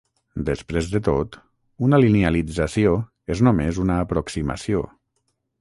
Després de tot, una linealització és només una aproximació.